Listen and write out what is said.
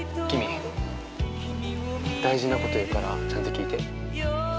キミ大事なこと言うからちゃんと聞いて。